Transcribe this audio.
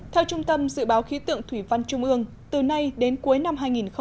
theo trung tâm dự báo khí tượng thủy văn trung ương từ nay đến cuối năm hai nghìn hai mươi